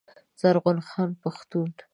زرغون خان پښتون